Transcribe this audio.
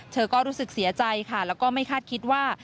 เธอก็รู้สึกเสียใจค่ะแล้วก็ไม่คาดคิดว่า